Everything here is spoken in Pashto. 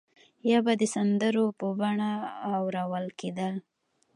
یا به د سندرو په بڼه اورول کېدل.